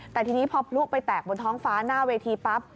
แต่ทีนี้พอพลุไปแตกบนท้องฟ้าหน้าเวทีปั๊บ